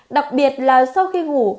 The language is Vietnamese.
đặc biệt là sau khi ngủ